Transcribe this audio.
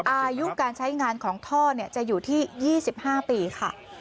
อายุการใช้งานของท่อเนี้ยจะอยู่ที่ยี่สิบห้าปีค่ะ